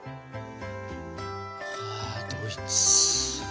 あドイツ。